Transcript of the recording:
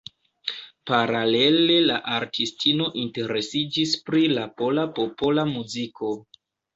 Paralele la artistino interesiĝis pri la pola popola muziko.